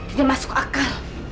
tidak masuk akal